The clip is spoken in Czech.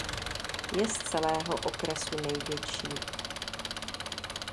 Je z celého okresu největší.